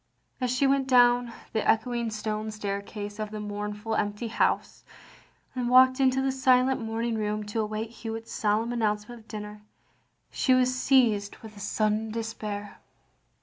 As she went down the echoing stone staircase of the mournful empty house, and walked into the silent morning room to await Hewitt's solemn announcement of dinner, she was seized with a sudden despair.